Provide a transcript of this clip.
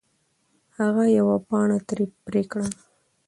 هغه یوه پاڼه ترې پرې کړه.